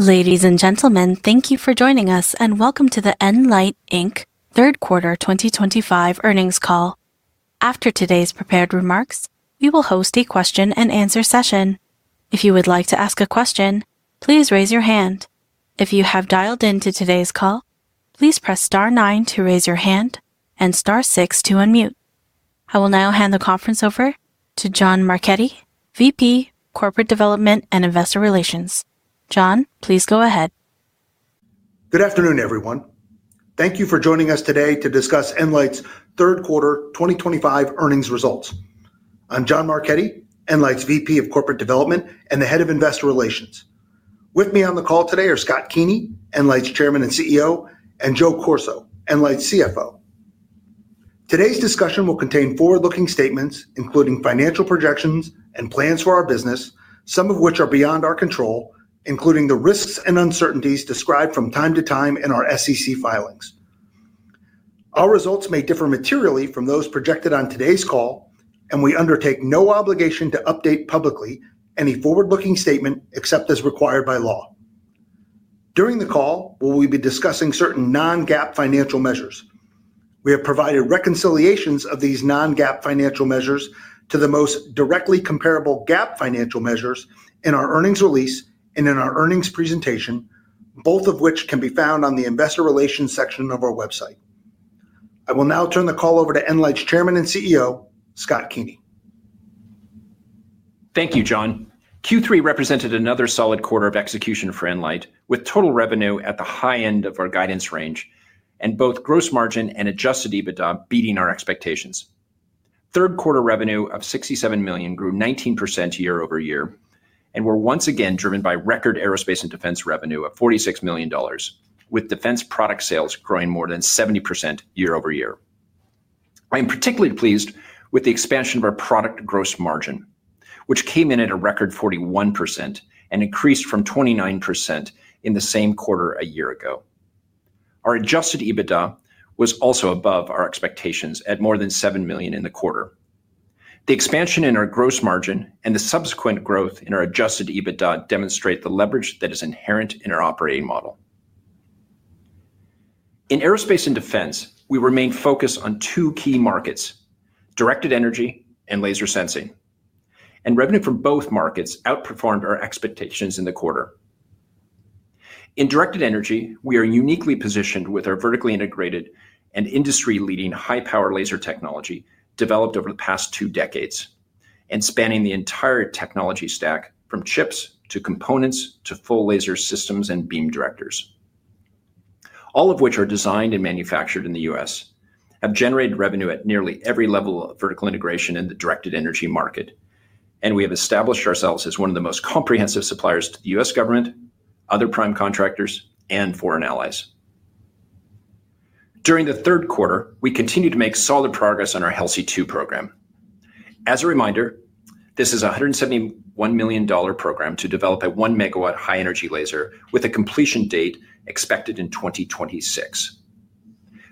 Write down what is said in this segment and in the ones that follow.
Ladies and gentlemen, thank you for joining us, and welcome to the nLIGHT fourth quarter 2025 earnings call. After today's prepared remarks, we will host a question-and-answer session. If you would like to ask a question, please raise your hand. If you have dialed into today's call, please press star 9 to raise your hand and star 6 to unmute. I will now hand the conference over to John Marchetti, VP, Corporate Development and Investor Relations. John, please go ahead. Good afternoon, everyone. Thank you for joining us today to discuss nLIGHT's Quarter 2025 earnings results. I'm John Marchetti, nLIGHT's VP of Corporate Development and the Head of Investor Relations. With me on the call today are Scott Keeney, nLIGHT's Chairman and CEO, and Joe Corso, nLIGHT's CFO. Today's discussion will contain forward-looking statements, including financial projections and plans for our business, some of which are beyond our control, including the risks and uncertainties described from time to time in our SEC filings. Our results may differ materially from those projected on today's call, and we undertake no obligation to update publicly any forward-looking statement except as required by law. During the call, we will be discussing certain non-GAAP financial measures. We have provided reconciliations of these non-GAAP financial measures to the most directly comparable GAAP financial measures in our earnings release and in our earnings presentation, both of which can be found on the Investor Relations section of our website. I will now turn the call over to nLIGHT's Chairman and CEO, Scott Keeney. Thank you, John. Q3 represented another solid quarter of execution for nLIGHT, with total revenue at the high end of our guidance range and both gross margin and adjusted EBITDA beating our expectations. Quarter 3 of $67 million grew 19% year-over-year, and we were once again driven by record aerospace and defense revenue of $46 million, with defense product sales growing more than 70% year-over-year. I am particularly pleased with the expansion of our product gross margin, which came in at a record 41% and increased from 29% in the same quarter a year ago. Our adjusted EBITDA was also above our expectations at more than $7 million in the quarter. The expansion in our gross margin and the subsequent growth in our adjusted EBITDA demonstrate the leverage that is inherent in our operating model. In aerospace and defense, we remain focused on two key markets: directed energy and laser sensing. Revenue from both markets outperformed our expectations in the quarter. In directed energy, we are uniquely positioned with our vertically integrated and industry-leading high-power laser technology developed over the past two decades and spanning the entire technology stack, from chips to components to full laser systems and beam directors. All of which are designed and manufactured in the U.S., have generated revenue at nearly every level of vertical integration in the directed energy market, and we have established ourselves as one of the most comprehensive suppliers to the U.S. government, other prime contractors, and foreign allies. During the third quarter, we continue to make solid progress on our HELSI-2 program. As a reminder, this is a $171 million program to develop a 1-megawatt high-energy laser with a completion date expected in 2026.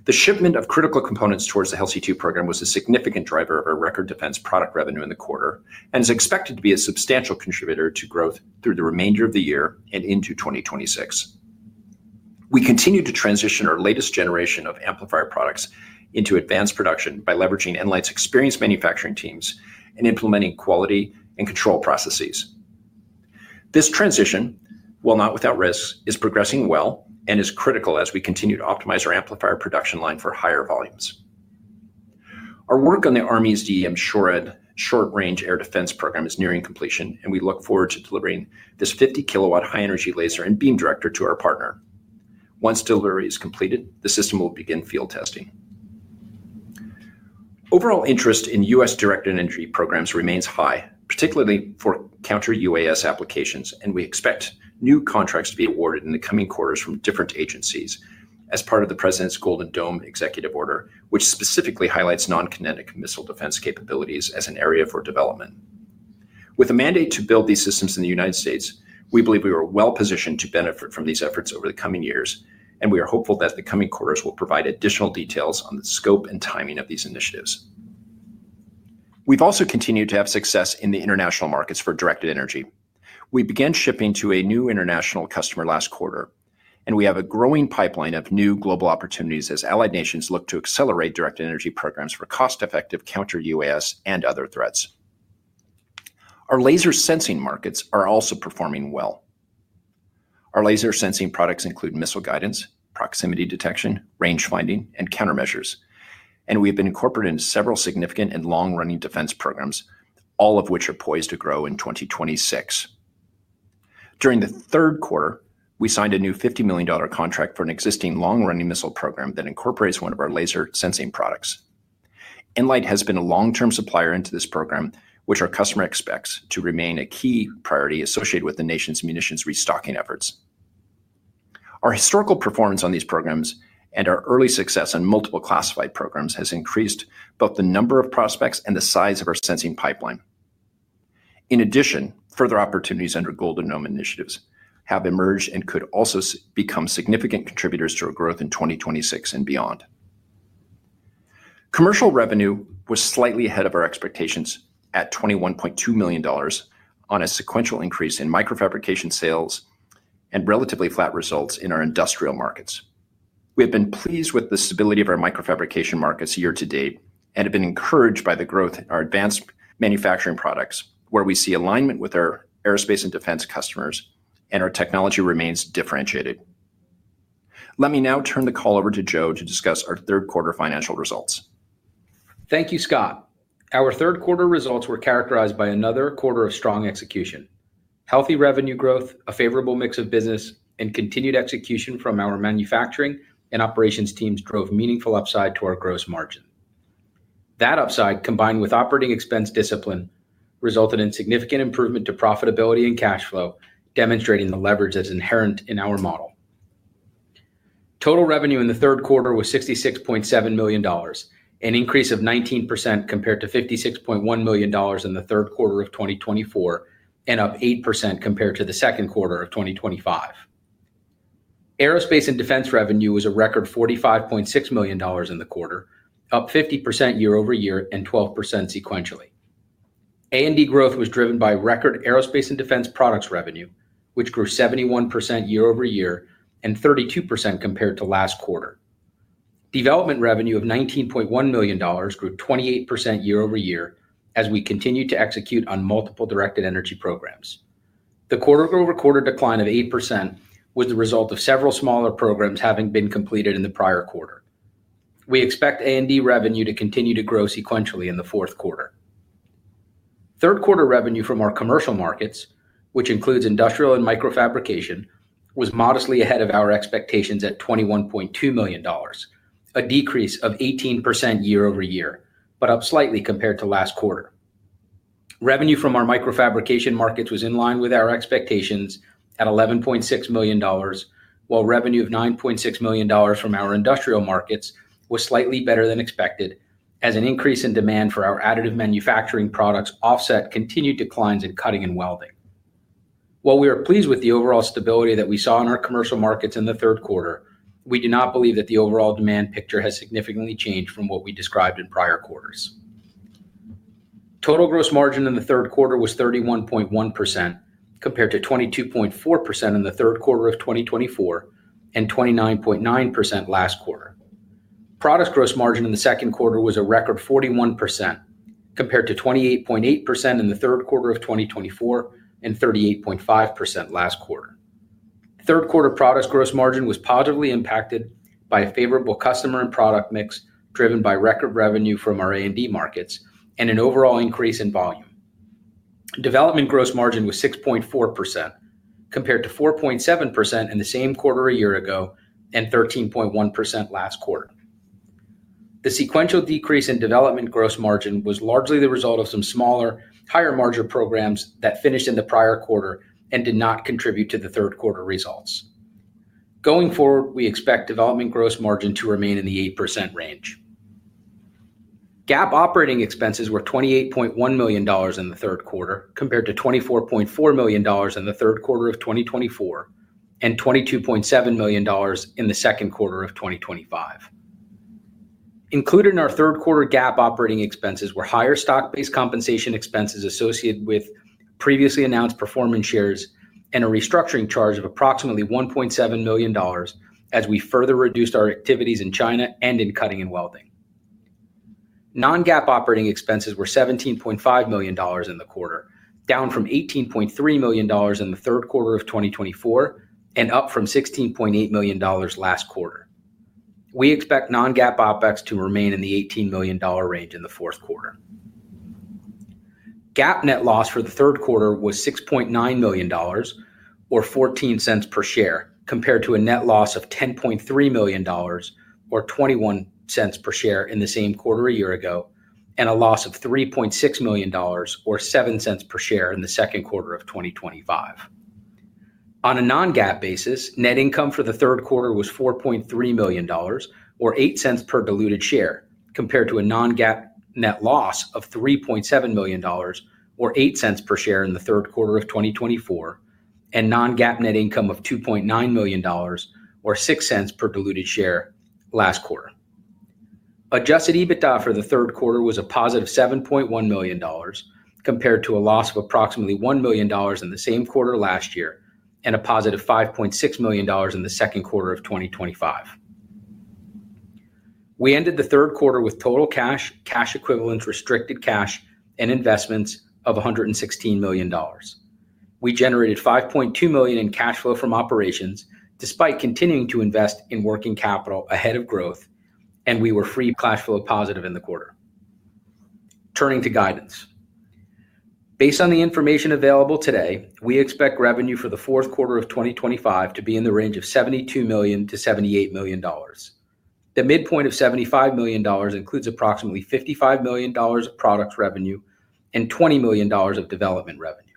The shipment of critical components towards the HELSI-2 program was a significant driver of our record defense product revenue in the quarter and is expected to be a substantial contributor to growth through the remainder of the year and into 2026. We continue to transition our latest generation of amplifier products into advanced production by leveraging nLIGHT's experienced manufacturing teams and implementing quality and control processes. This transition, while not without risks, is progressing well and is critical as we continue to optimize our amplifier production line for higher volumes. Our work on the Army's DEM SHORAD short-range air defense program is nearing completion, and we look forward to delivering this 50-kilowatt high-energy laser and beam director to our partner. Once delivery is completed, the system will begin field testing. Overall interest in U.S. directed energy programs remains high, particularly for counter-UAS applications, and we expect new contracts to be awarded in the coming quarters from different agencies as part of the President's Golden Dome Executive Order, which specifically highlights non-kinetic missile defense capabilities as an area for development. With a mandate to build these systems in the United States, we believe we are well positioned to benefit from these efforts over the coming years, and we are hopeful that the coming quarters will provide additional details on the scope and timing of these initiatives. We have also continued to have success in the international markets for directed energy. We began shipping to a new international customer last quarter, and we have a growing pipeline of new global opportunities as allied nations look to accelerate directed energy programs for cost-effective counter-UAS and other threats. Our laser sensing markets are also performing well. Our laser sensing products include missile guidance, proximity detection, range finding, and countermeasures, and we have been incorporated into several significant and long-running defense programs, all of which are poised to grow in 2026. During the third quarter, we signed a new $50 million contract for an existing long-running missile program that incorporates one of our laser sensing products. nLIGHT has been a long-term supplier into this program, which our customer expects to remain a key priority associated with the nation's munitions restocking efforts. Our historical performance on these programs and our early success on multiple classified programs has increased both the number of prospects and the size of our sensing pipeline. In addition, further opportunities under Golden Dome initiatives have emerged and could also become significant contributors to our growth in 2026 and beyond. Commercial revenue was slightly ahead of our expectations at $21.2 million on a sequential increase in microfabrication sales and relatively flat results in our industrial markets. We have been pleased with the stability of our microfabrication markets year to date and have been encouraged by the growth in our advanced manufacturing products, where we see alignment with our aerospace and defense customers, and our technology remains differentiated. Let me now turn the call over to Joe to discuss our third-quarter financial results. Thank you, Scott. Our third-quarter results were characterized by another quarter of strong execution. Healthy revenue growth, a favorable mix of business, and continued execution from our manufacturing and operations teams drove meaningful upside to our gross margin. That upside, combined with operating expense discipline, resulted in significant improvement to profitability and cash flow, demonstrating the leverage that is inherent in our model. Total revenue in the third quarter was $66.7 million, an increase of 19% compared to $56.1 million in the third quarter of 2024 and up 8% compared to the second quarter of 2025. Aerospace and defense revenue was a record $45.6 million in the quarter, up 50% year-over-year and 12% sequentially. A&D growth was driven by record aerospace and defense products revenue, which grew 71% year-over-year and 32% compared to last quarter. Development revenue of $19.1 million grew 28% year-over-year as we continued to execute on multiple directed energy programs. The quarter-over-quarter decline of 8% was the result of several smaller programs having been completed in the prior quarter. We expect A&D revenue to continue to grow sequentially in the fourth quarter. Third-quarter revenue from our commercial markets, which includes industrial and microfabrication, was modestly ahead of our expectations at $21.2 million, a decrease of 18% year-over-year, but up slightly compared to last quarter. Revenue from our microfabrication markets was in line with our expectations at $11.6 million, while revenue of $9.6 million from our industrial markets was slightly better than expected as an increase in demand for our additive manufacturing products offset continued declines in cutting and welding. While we are pleased with the overall stability that we saw in our commercial markets in the third quarter, we do not believe that the overall demand picture has significantly changed from what we described in prior quarters. Total gross margin in the third quarter was 31.1% compared to 22.4% in the third quarter of 2023 and 29.9% last quarter. Product gross margin in the second quarter was a record 41% compared to 28.8% in the third quarter of 2023 and 38.5% last quarter. Third-quarter product gross margin was positively impacted by a favorable customer and product mix driven by record revenue from our A&D markets and an overall increase in volume. Development gross margin was 6.4% compared to 4.7% in the same quarter a year ago and 13.1% last quarter. The sequential decrease in development gross margin was largely the result of some smaller, higher-margin programs that finished in the prior quarter and did not contribute to the third-quarter results. Going forward, we expect development gross margin to remain in the 8% range. GAAP operating expenses were $28.1 million in the third quarter compared to $24.4 million in the third quarter of 2024 and $22.7 million in the second quarter of 2025. Included in our third-quarter GAAP operating expenses were higher stock-based compensation expenses associated with previously announced performance shares and a restructuring charge of approximately $1.7 million as we further reduced our activities in China and in cutting and welding. Non-GAAP operating expenses were $17.5 million in the quarter, down from $18.3 million in the third quarter of 2024 and up from $16.8 million last quarter. We expect non-GAAP OpEx to remain in the $18 million range in the fourth quarter. GAAP net loss for the third quarter was $6.9 million, or $0.14 per share, compared to a net loss of $10.3 million, or $0.21 per share in the same quarter a year ago, and a loss of $3.6 million, or $0.07 per share in the second quarter of 2025. On a non-GAAP basis, net income for the third quarter was $4.3 million, or $0.08 per diluted share, compared to a non-GAAP net loss of $3.7 million, or $0.08 per share in the third quarter of 2024, and non-GAAP net income of $2.9 million, or $0.06 per diluted share last quarter. Adjusted EBITDA for the third quarter was a positive $7.1 million compared to a loss of approximately $1 million in the same quarter last year and a positive $5.6 million in the second quarter of 2025. We ended the third quarter with total cash, cash equivalents, restricted cash, and investments of $116 million. We generated $5.2 million in cash flow from operations despite continuing to invest in working capital ahead of growth, and we were free cash flow positive in the quarter. Turning to guidance. Based on the information available today, we expect revenue for the fourth quarter of 2025 to be in the range of $72 million-$78 million. The midpoint of $75 million includes approximately $55 million of product revenue and $20 million of development revenue.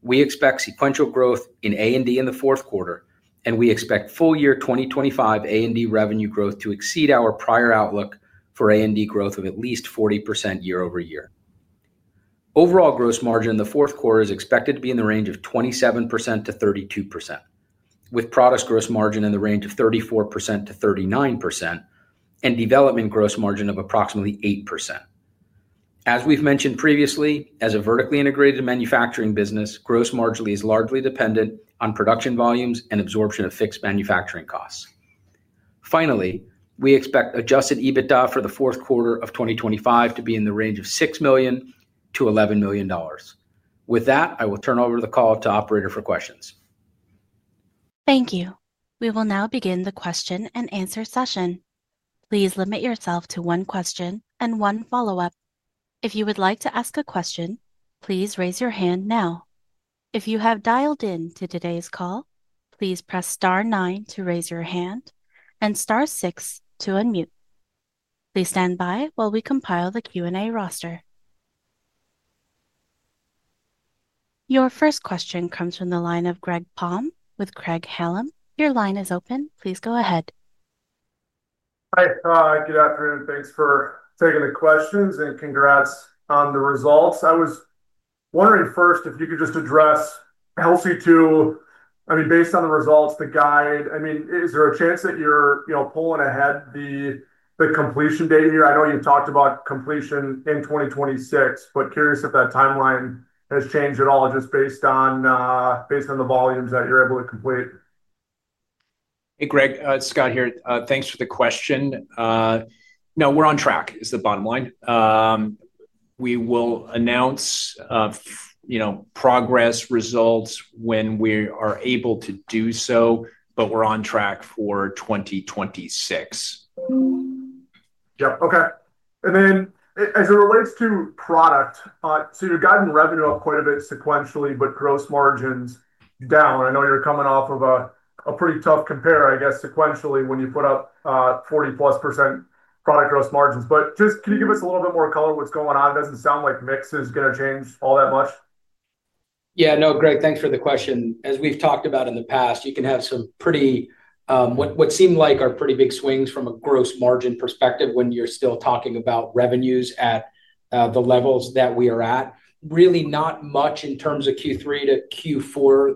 We expect sequential growth in A&D in the fourth quarter, and we expect full year 2025 A&D revenue growth to exceed our prior outlook for A&D growth of at least 40% year-over-year. Overall gross margin in the fourth quarter is expected to be in the range of 27%-32%, with product gross margin in the range of 34%-39% and development gross margin of approximately 8%. As we've mentioned previously, as a vertically integrated manufacturing business, gross margin is largely dependent on production volumes and absorption of fixed manufacturing costs. Finally, we expect adjusted EBITDA for the fourth quarter of 2025 to be in the range of $6 million-$11 million. With that, I will turn over the call to Operator for questions. Thank you. We will now begin the question and answer session. Please limit yourself to one question and one follow-up. If you would like to ask a question, please raise your hand now. If you have dialed in to today's call, please press star nine to raise your hand and star six to unmute. Please stand by while we compile the Q&A roster. Your first question comes from the line of Greg Palm with Craig-Hallum Capital Group. Your line is open. Please go ahead. Hi. Good afternoon. Thanks for taking the questions and congrats on the results. I was wondering first if you could just address HELSI-2. I mean, based on the results, the guide, I mean, is there a chance that you're pulling ahead the completion date here? I know you talked about completion in 2026, but curious if that timeline has changed at all just based on the volumes that you're able to complete. Hey, Greg. Scott here. Thanks for the question. No, we're on track is the bottom line. We will announce progress results when we are able to do so, but we're on track for 2026. Yep. Okay. As it relates to product, you are guiding revenue up quite a bit sequentially, but gross margins down. I know you are coming off of a pretty tough compare, I guess, sequentially when you put up 40+% product gross margins. Just can you give us a little bit more color of what is going on? It does not sound like mix is going to change all that much. Yeah. No, Greg, thanks for the question. As we've talked about in the past, you can have some pretty, what seem like are pretty big swings from a gross margin perspective when you're still talking about revenues at the levels that we are at. Really not much in terms of Q3 to Q4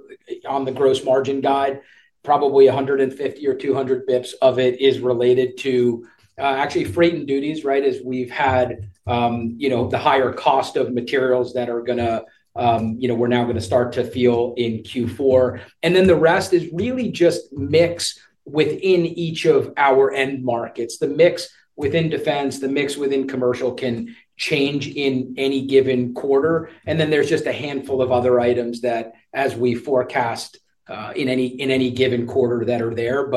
on the gross margin guide. Probably 150 or 200 basis points of it is related to actually freight and duties, right, as we've had the higher cost of materials that are going to, we're now going to start to feel in Q4. The rest is really just mix within each of our end markets. The mix within defense, the mix within commercial can change in any given quarter. There are just a handful of other items that, as we forecast in any given quarter, that are there.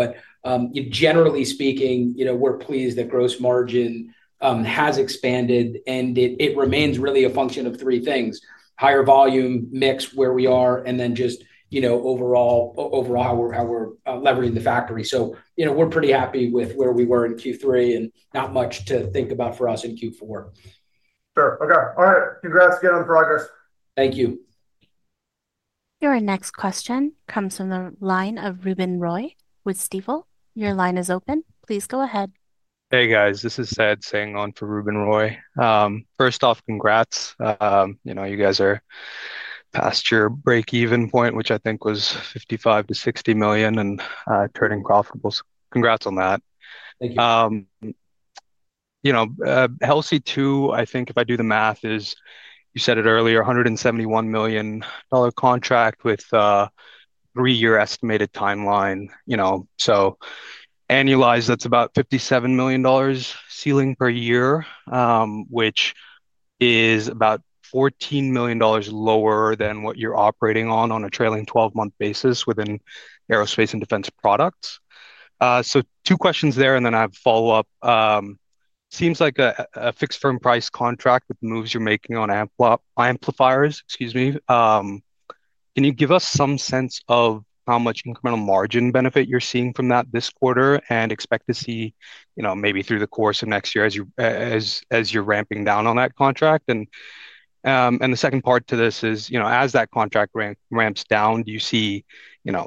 Generally speaking, we're pleased that gross margin has expanded, and it remains really a function of three things: higher volume, mix where we are, and then just overall how we're leveraging the factory. We're pretty happy with where we were in Q3 and not much to think about for us in Q4. Sure. Okay. All right. Congrats. Good on the progress. Thank you. Your next question comes from the line of Ruben Roy with Stifel. Your line is open. Please go ahead. Hey, guys. This is Sahej Singh on for Ruben Roy. First off, congrats. You guys are past your break-even point, which I think was $55 million-$60 million and turning profitable. So congrats on that. Thank you. HELSI-2, I think if I do the math, is, you said it earlier, $171 million. Contract with. Three-year estimated timeline. Annualized, that's about $57 million ceiling per year, which is about $14 million lower than what you're operating on on a trailing 12-month basis within aerospace and defense products. Two questions there, and then I have a follow-up. Seems like a fixed firm price contract with moves you're making on amplifiers. Excuse me. Can you give us some sense of how much incremental margin benefit you're seeing from that this quarter and expect to see maybe through the course of next year as you're ramping down on that contract? The second part to this is, as that contract ramps down, do you see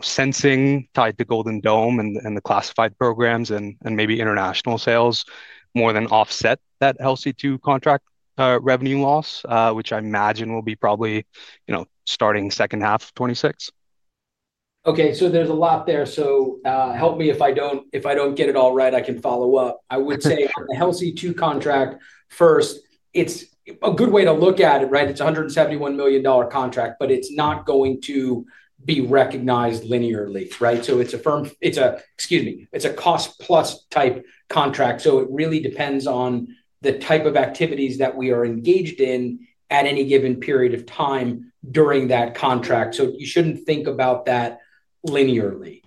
sensing tied to Golden Dome and the classified programs and maybe international sales more than offset that HELSI-2 contract revenue loss, which I imagine will be probably starting second half of 2026? Okay. So there's a lot there. Help me if I don't get it all right. I can follow up. I would say on the HELSI-2 contract first, it's a good way to look at it, right? It's a $171 million contract, but it's not going to be recognized linearly, right? It's a firm, excuse me, it's a cost-plus type contract. It really depends on the type of activities that we are engaged in at any given period of time during that contract. You shouldn't think about that linearly.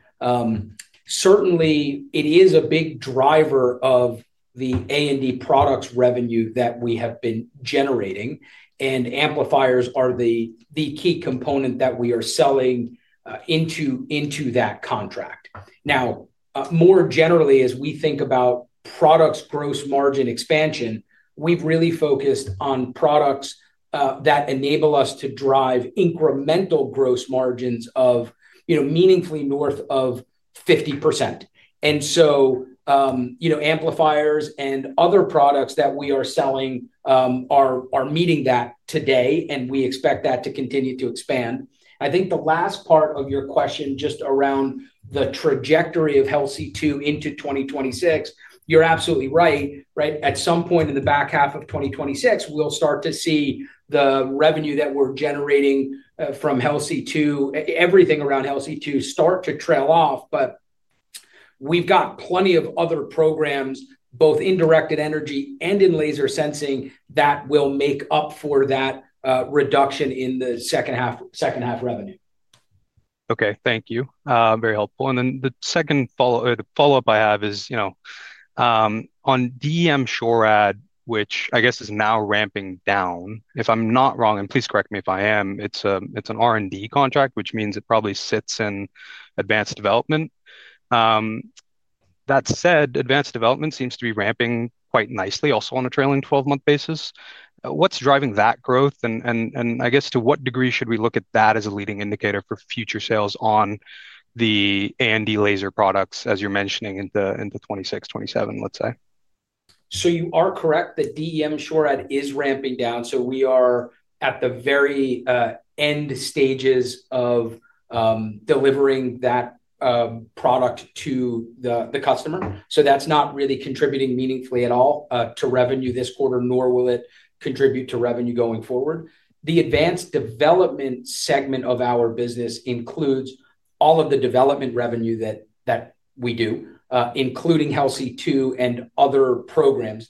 Certainly, it is a big driver of the A&D products revenue that we have been generating. Amplifiers are the key component that we are selling into that contract. Now, more generally, as we think about products gross margin expansion, we've really focused on products that enable us to drive incremental gross margins of meaningfully north of 50%. Amplifiers and other products that we are selling are meeting that today, and we expect that to continue to expand. I think the last part of your question just around the trajectory of HELSI-2 into 2026, you're absolutely right, right? At some point in the back half of 2026, we'll start to see the revenue that we're generating from HELSI-2, everything around HELSI-2 start to trail off. We've got plenty of other programs, both in directed energy and in laser sensing, that will make up for that reduction in the second-half revenue. Okay. Thank you. Very helpful. The second follow-up I have is on DEM SHORAD, which I guess is now ramping down, if I'm not wrong, and please correct me if I am. It's an R&D contract, which means it probably sits in advanced development. That said, advanced development seems to be ramping quite nicely also on a trailing 12-month basis. What's driving that growth? I guess to what degree should we look at that as a leading indicator for future sales on the A&D laser products, as you're mentioning, into 2026, 2027, let's say? You are correct that DEM SHORAD is ramping down. We are at the very end stages of delivering that product to the customer. That is not really contributing meaningfully at all to revenue this quarter, nor will it contribute to revenue going forward. The advanced development segment of our business includes all of the development revenue that we do, including HELSI-2 and other programs.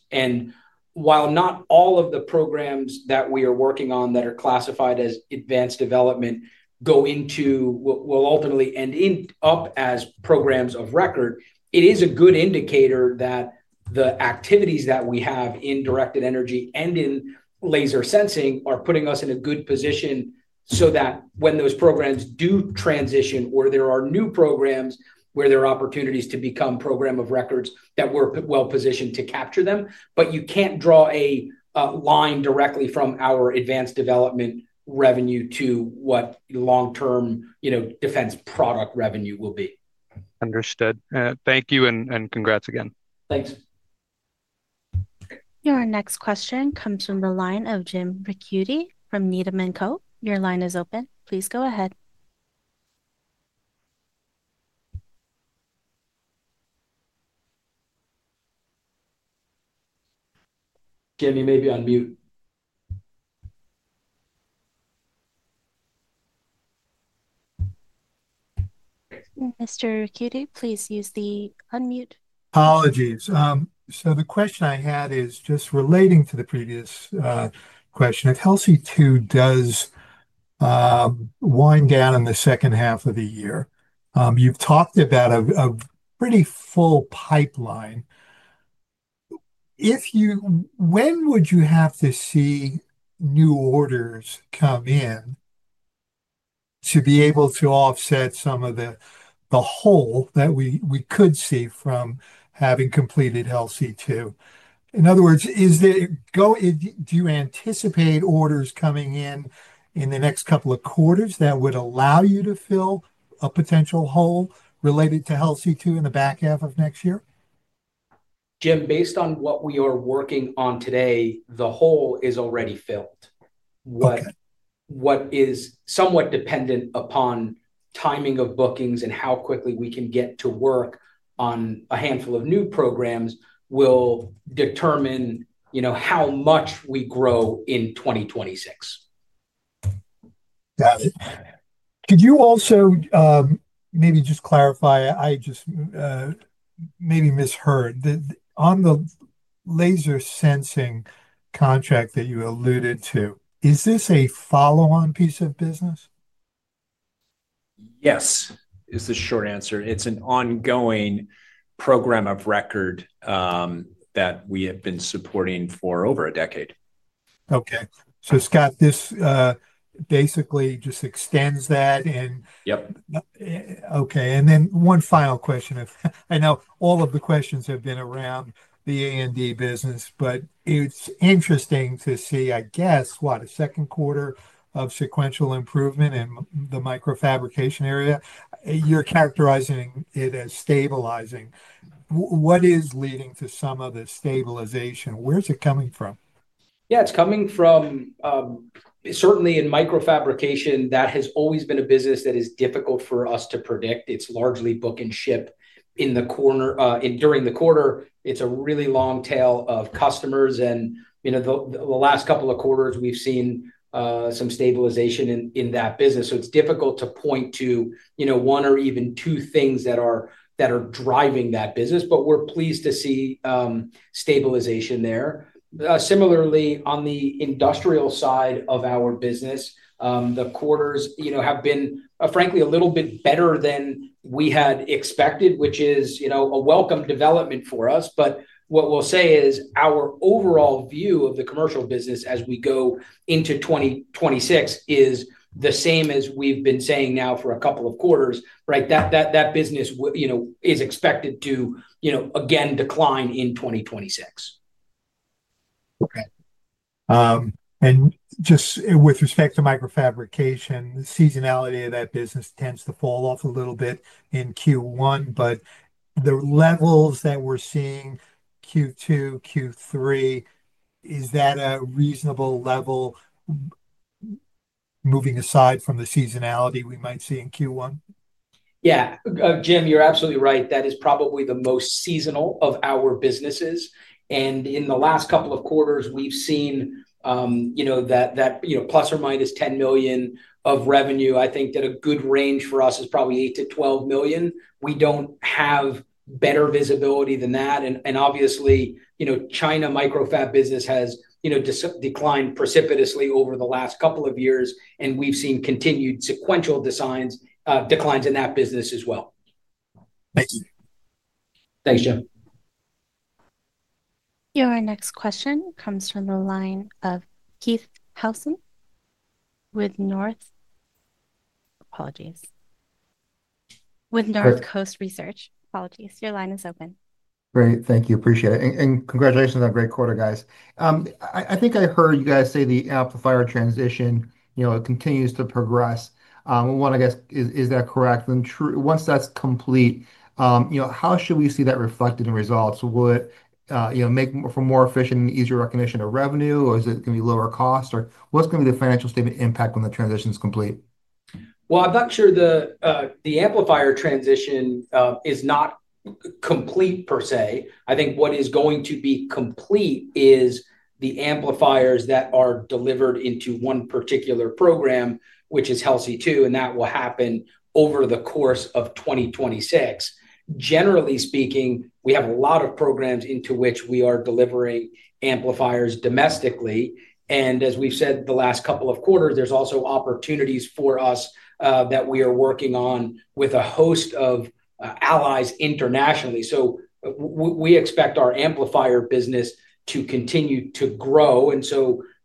While not all of the programs that we are working on that are classified as advanced development go into what will ultimately end up as programs of record, it is a good indicator that the activities that we have in directed energy and in laser sensing are putting us in a good position so that when those programs do transition or there are new programs where there are opportunities to become programs of record, we are well positioned to capture them. You can't draw a line directly from our advanced development revenue to what long-term defense product revenue will be. Understood. Thank you and congrats again. Thanks. Your next question comes from the line of Jim Ricchiuti from Needham & Company. Your line is open. Please go ahead. Jimmy, maybe unmute. Mr. Ricchiuti, please use the unmute. Apologies. The question I had is just relating to the previous question. If HELSI-2 does wind down in the second half of the year, you've talked about a pretty full pipeline. When would you have to see new orders come in to be able to offset some of the hole that we could see from having completed HELSI-2? In other words, do you anticipate orders coming in in the next couple of quarters that would allow you to fill a potential hole related to HELSI-2 in the back half of next year? Jim, based on what we are working on today, the hole is already filled. What is somewhat dependent upon timing of bookings and how quickly we can get to work on a handful of new programs will determine how much we grow in 2026. Got it. Could you also maybe just clarify? I just maybe misheard. On the laser sensing contract that you alluded to, is this a follow-on piece of business? Yes, is the short answer. It is an ongoing program of record that we have been supporting for over a decade. Okay. Scott, this basically just extends that. Yep. Okay. And then one final question. I know all of the questions have been around the A&D business, but it's interesting to see, I guess, what, a second quarter of sequential improvement in the microfabrication area. You're characterizing it as stabilizing. What is leading to some of the stabilization? Where's it coming from? Yeah. It's coming from. Certainly in microfabrication, that has always been a business that is difficult for us to predict. It's largely book and ship in the quarter. It's a really long tail of customers. The last couple of quarters, we've seen some stabilization in that business. It's difficult to point to one or even two things that are driving that business, but we're pleased to see stabilization there. Similarly, on the industrial side of our business, the quarters have been, frankly, a little bit better than we had expected, which is a welcome development for us. What we'll say is our overall view of the commercial business as we go into 2026 is the same as we've been saying now for a couple of quarters, right? That business is expected to again decline in 2026. Okay. Just with respect to microfabrication, the seasonality of that business tends to fall off a little bit in Q1, but the levels that we're seeing Q2, Q3, is that a reasonable level? Moving aside from the seasonality we might see in Q1? Yeah. Jim, you're absolutely right. That is probably the most seasonal of our businesses. In the last couple of quarters, we've seen that plus or minus $10 million of revenue. I think that a good range for us is probably $8 million-$12 million. We don't have better visibility than that. Obviously, China microfab business has declined precipitously over the last couple of years, and we've seen continued sequential declines in that business as well. Thank you. Thanks, Jim. Your next question comes from the line of Keith Howsen with North Coast Research. Apologies. Your line is open. Great. Thank you. Appreciate it. Congratulations on that great quarter, guys. I think I heard you guys say the amplifier transition, it continues to progress. One, I guess, is that correct? Once that's complete, how should we see that reflected in results? Will it make for more efficient and easier recognition of revenue, or is it going to be lower cost, or what's going to be the financial statement impact when the transition is complete? I'm not sure the amplifier transition is not complete per se. I think what is going to be complete is the amplifiers that are delivered into one particular program, which is HELSI-2, and that will happen over the course of 2026. Generally speaking, we have a lot of programs into which we are delivering amplifiers domestically. As we've said the last couple of quarters, there's also opportunities for us that we are working on with a host of allies internationally. We expect our amplifier business to continue to grow.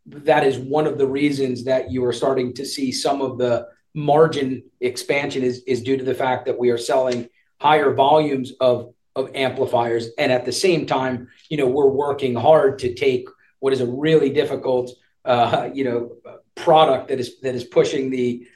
That is one of the reasons that you are starting to see some of the margin expansion is due to the fact that we are selling higher volumes of amplifiers. At the same time, we're working hard to take what is a really difficult product that is pushing the.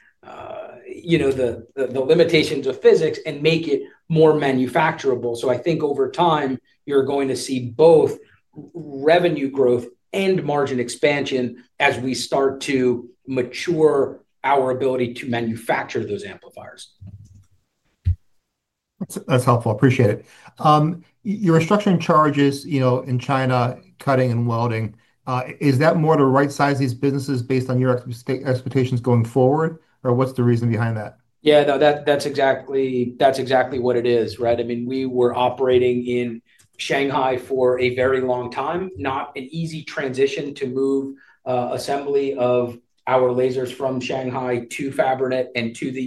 Limitations of physics and make it more manufacturable. I think over time, you're going to see both revenue growth and margin expansion as we start to mature our ability to manufacture those amplifiers. That's helpful. Appreciate it. Your structuring charges in China cutting and welding, is that more to right-size these businesses based on your expectations going forward, or what's the reason behind that? Yeah. No, that's exactly what it is, right? I mean, we were operating in Shanghai for a very long time, not an easy transition to move assembly of our lasers from Shanghai to Fabernet and to the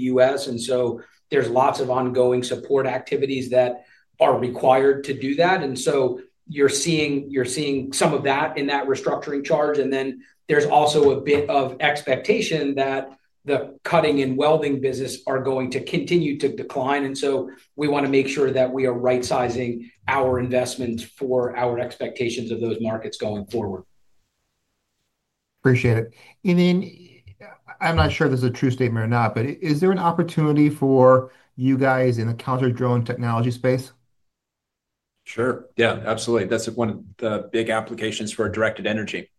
U.S. There are lots of ongoing support activities that are required to do that. You are seeing some of that in that restructuring charge. There is also a bit of expectation that the cutting and welding business are going to continue to decline. We want to make sure that we are right-sizing our investments for our expectations of those markets going forward. Appreciate it. I'm not sure this is a true statement or not, but is there an opportunity for you guys in the counter-drone technology space? Sure. Yeah. Absolutely. That is one of the big applications for directed energy.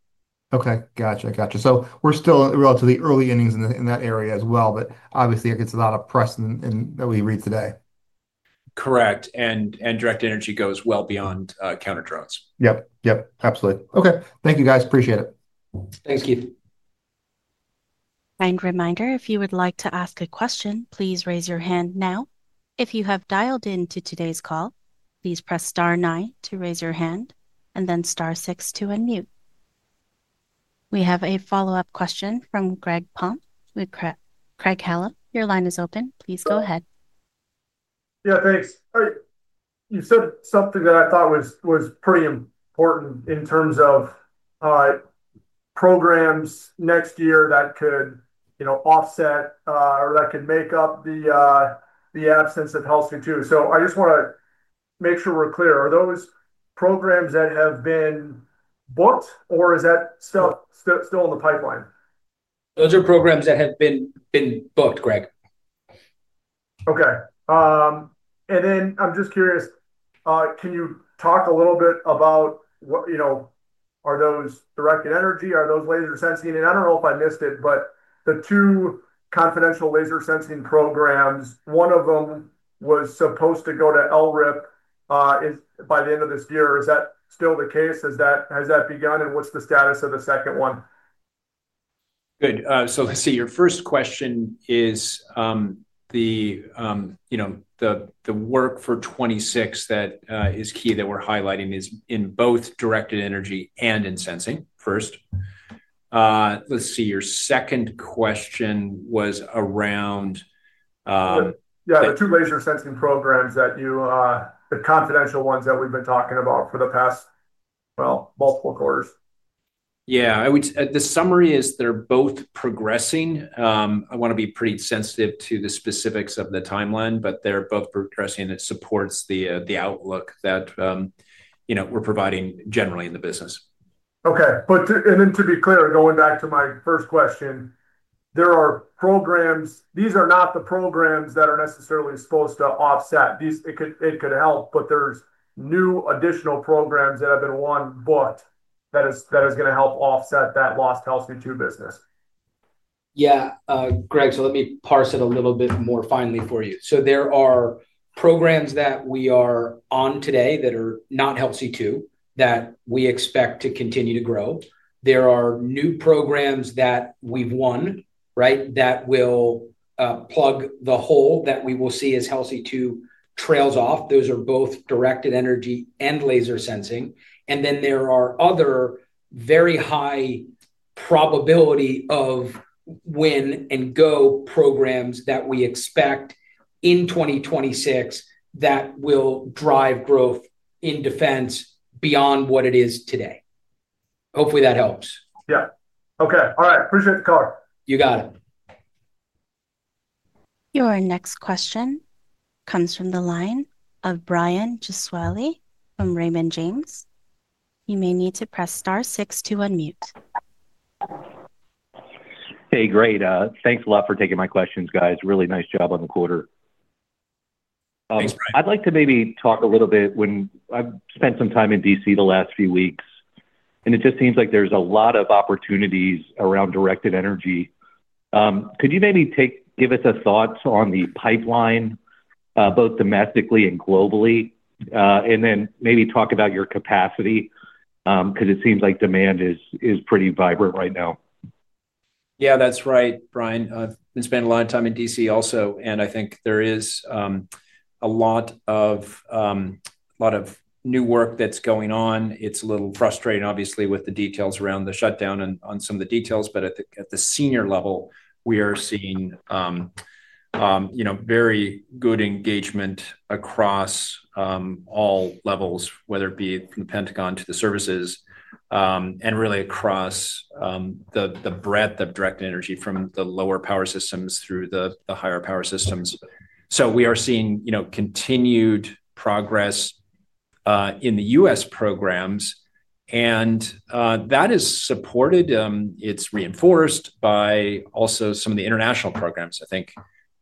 Okay. Gotcha. Gotcha. We're still relatively early innings in that area as well, but obviously, it gets a lot of press that we read today. Correct. Directed energy goes well beyond counter-drones. Yep. Yep. Absolutely. Okay. Thank you, guys. Appreciate it. Thanks, Keith. Reminder, if you would like to ask a question, please raise your hand now. If you have dialed into today's call, please press star nine to raise your hand and then star six to unmute. We have a follow-up question from Greg Palm. Craig-Hallum Capital Group, your line is open. Please go ahead. Yeah. Thanks. You said something that I thought was pretty important in terms of programs next year that could offset or that could make up the absence of HELSI-2. So I just want to make sure we're clear. Are those programs that have been booked, or is that stuff still in the pipeline? Those are programs that have been booked, Greg. Okay. I'm just curious. Can you talk a little bit about, are those directed energy? Are those laser sensing? I don't know if I missed it, but the two confidential laser sensing programs, one of them was supposed to go to LRIP by the end of this year. Is that still the case? Has that begun? What's the status of the second one? Good. Let's see. Your first question is, the work for 2026 that is key that we're highlighting is in both directed energy and in sensing first. Let's see. Your second question was around. Yeah. The two laser sensing programs that you, the confidential ones that we've been talking about for the past, well, multiple quarters. Yeah. The summary is they're both progressing. I want to be pretty sensitive to the specifics of the timeline, but they're both progressing. It supports the outlook that we're providing generally in the business. Okay. To be clear, going back to my first question, there are programs. These are not the programs that are necessarily supposed to offset. It could help, but there are new additional programs that have been won, booked, that are going to help offset that lost HELSI-2 business. Yeah. Greg, let me parse it a little bit more finely for you. There are programs that we are on today that are not HELSI-2 that we expect to continue to grow. There are new programs that we've won, right, that will plug the hole that we will see as HELSI-2 trails off. Those are both directed energy and laser sensing. There are other very high probability of win-and-go programs that we expect in 2026 that will drive growth in defense beyond what it is today. Hopefully, that helps. Yeah. Okay. All right. Appreciate the call. You got it. Your next question comes from the line of Brian O'Reilly from Raymond James. You may need to press star six to unmute. Hey, great. Thanks a lot for taking my questions, guys. Really nice job on the quarter. Thanks, Brian. I'd like to maybe talk a little bit when I've spent some time in DC the last few weeks, and it just seems like there's a lot of opportunities around directed energy. Could you maybe give us a thought on the pipeline, both domestically and globally, and then maybe talk about your capacity because it seems like demand is pretty vibrant right now? Yeah, that's right, Brian. I've been spending a lot of time in DC also, and I think there is a lot of new work that's going on. It's a little frustrating, obviously, with the details around the shutdown and on some of the details, but at the senior level, we are seeing very good engagement across all levels, whether it be from the Pentagon to the services. Really across the breadth of directed energy from the lower power systems through the higher power systems. We are seeing continued progress in the U.S. programs, and that is supported. It's reinforced by also some of the international programs. I think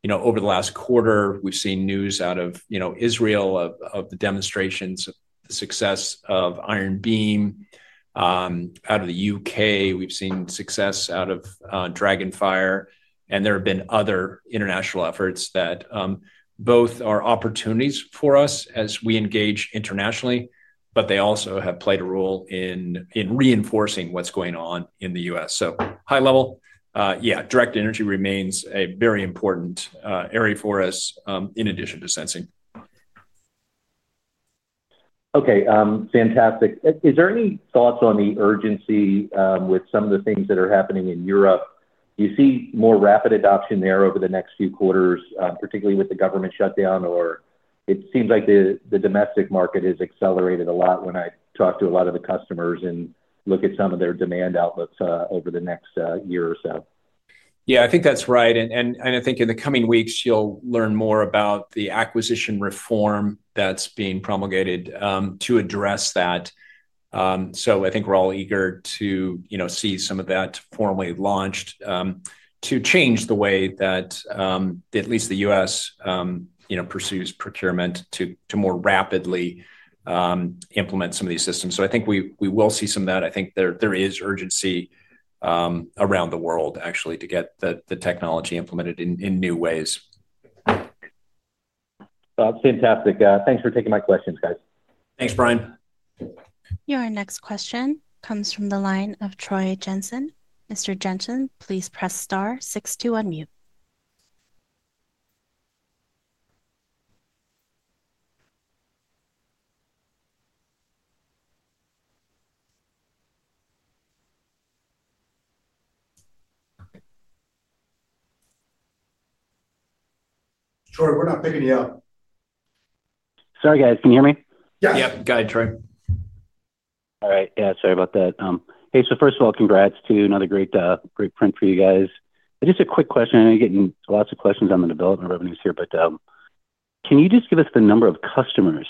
over the last quarter, we've seen news out of Israel of the demonstrations of the success of Iron Beam. Out of the U.K., we've seen success out of Dragonfire, and there have been other international efforts that. Both are opportunities for us as we engage internationally, but they also have played a role in reinforcing what's going on in the U.S. High level, yeah, directed energy remains a very important area for us in addition to sensing. Okay. Fantastic. Is there any thoughts on the urgency with some of the things that are happening in Europe? Do you see more rapid adoption there over the next few quarters, particularly with the government shutdown, or it seems like the domestic market has accelerated a lot when I talk to a lot of the customers and look at some of their demand outlooks over the next year or so? Yeah, I think that's right. I think in the coming weeks, you'll learn more about the acquisition reform that's being promulgated to address that. I think we're all eager to see some of that formally launched. To change the way that at least the U.S. pursues procurement to more rapidly implement some of these systems. I think we will see some of that. I think there is urgency around the world, actually, to get the technology implemented in new ways. That's fantastic. Thanks for taking my questions, guys. Thanks, Brian. Your next question comes from the line of Troy Jensen. Mr. Jensen, please press star six to unmute. Troy, we're not picking you up. Sorry, guys. Can you hear me? Yeah. Yep. Go ahead, Troy. All right. Yeah. Sorry about that. Hey, so first of all, congrats to another great print for you guys. Just a quick question. I'm getting lots of questions on the development revenues here, but can you just give us the number of customers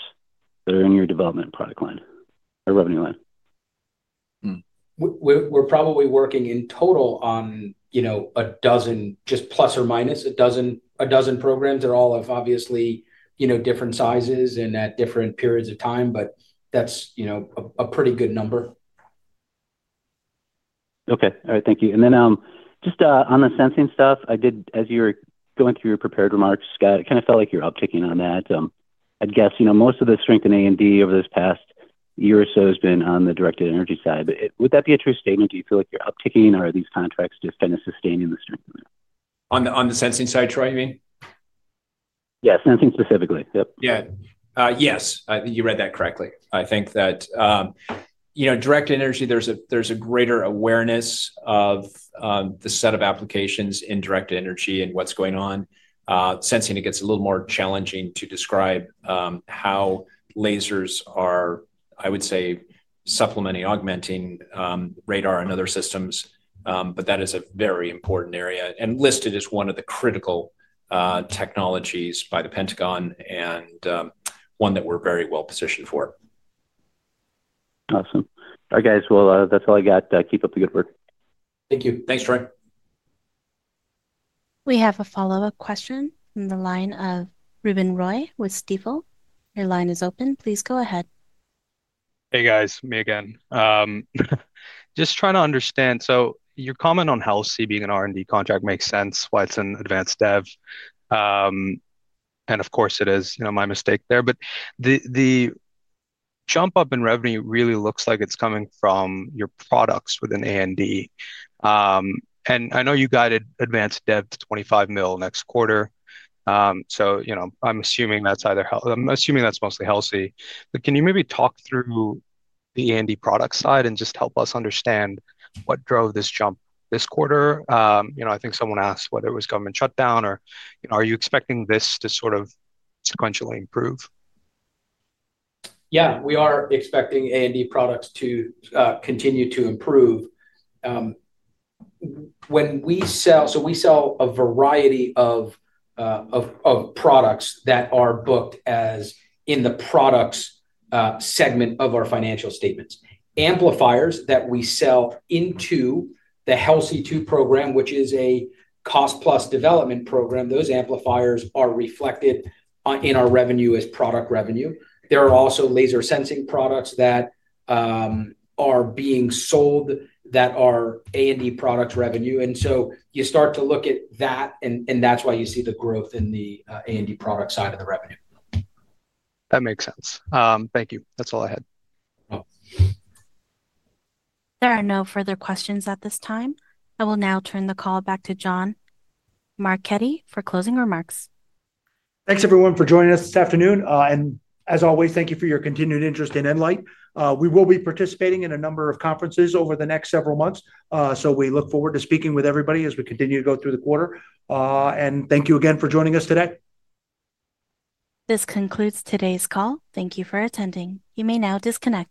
that are in your development product line or revenue line? We're probably working in total on a dozen, just plus or minus a dozen programs. They're all obviously different sizes and at different periods of time, but that's a pretty good number. Okay. All right. Thank you. And then just on the sensing stuff, as you were going through your prepared remarks, I kind of felt like you're upticking on that. I'd guess most of the strength in A&D over this past year or so has been on the directed energy side. Would that be a true statement? Do you feel like you're upticking, or are these contracts just kind of sustaining the strength of it? On the sensing side, Troy, you mean? Yes. Sensing specifically. Yep. Yeah. Yes. You read that correctly. I think that. Directed energy, there's a greater awareness of. The set of applications in directed energy and what's going on. Sensing, it gets a little more challenging to describe how lasers are, I would say, supplementing, augmenting radar and other systems, but that is a very important area and listed as one of the critical. Technologies by the Pentagon and. One that we're very well positioned for. Awesome. All right, guys. That is all I got. Keep up the good work. Thank you. Thanks, Troy. We have a follow-up question from the line of Ruben Roy with Stifel. Your line is open. Please go ahead. Hey, guys. Me again. Just trying to understand. Your comment on HELSI being an R&D contract makes sense why it's an advanced dev. It is my mistake there. The jump up in revenue really looks like it's coming from your products within A&D. I know you guided advanced dev to $25 million next quarter. I'm assuming that's mostly HELSI. Can you maybe talk through the A&D product side and just help us understand what drove this jump this quarter? I think someone asked whether it was government shutdown or are you expecting this to sort of sequentially improve? Yeah. We are expecting A&D products to continue to improve. We sell a variety of products that are booked as in the products segment of our financial statements. Amplifiers that we sell into the HELSI-2 program, which is a cost-plus development program, those amplifiers are reflected in our revenue as product revenue. There are also laser sensing products that are being sold that are A&D product revenue. You start to look at that, and that's why you see the growth in the A&D product side of the revenue. That makes sense. Thank you. That's all I had. There are no further questions at this time. I will now turn the call back to John Marchetti for closing remarks. Thanks, everyone, for joining us this afternoon. As always, thank you for your continued interest in nLIGHT. We will be participating in a number of conferences over the next several months. We look forward to speaking with everybody as we continue to go through the quarter. Thank you again for joining us today. This concludes today's call. Thank you for attending. You may now disconnect.